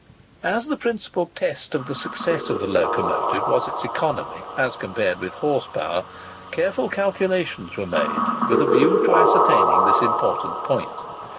As the principal test of the success of the locomotive was its economy as compared with horse power, careful calculations were made with the view of ascertaining this important point.